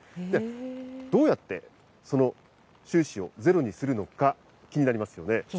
ではどうやってその収支をゼロにするのか、気になりますよね。